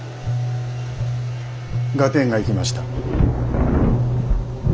合点がいきました。